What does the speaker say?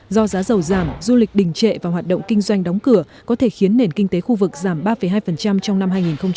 do giá dầu giảm du lịch đình trệ và hoạt động kinh doanh đóng cửa có thể khiến nền kinh tế khu vực giảm ba hai trong năm hai nghìn hai mươi